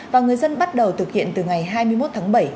và người dân bắt đầu thực hiện từ ngày hai mươi một tháng bảy